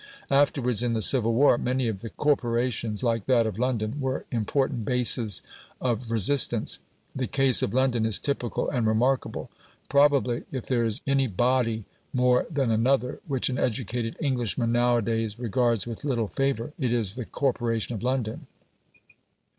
Afterwards in the civil war, many of the corporations, like that of London, were important bases of resistance. The case of London is typical and remarkable. Probably, if there is any body more than another which an educated Englishman nowadays regards with little favour, it is the Corporation of London.